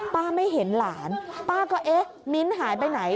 ไม่เห็นหลานป้าก็เอ๊ะมิ้นหายไปไหน